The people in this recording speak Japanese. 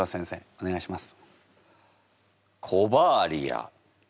お願いします。